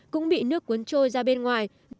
cũng bị nước cuốn trôi ra bên ngoài